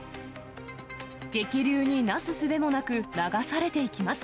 激流になすすべもなく、流されていきます。